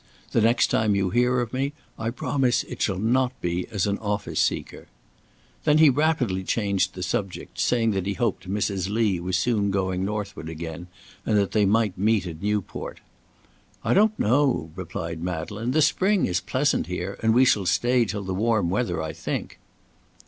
The next time you hear of me, I promise it shall not be as an office seeker." Then he rapidly changed the subject, saying that he hoped Mrs. Lee was soon going northward again, and that they might meet at Newport. "I don't know," replied Madeleine; "the spring is pleasant here, and we shall stay till the warm weather, I think."